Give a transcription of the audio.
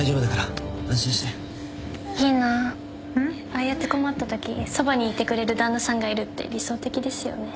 ああやって困ったときそばにいてくれる旦那さんがいるって理想的ですよね。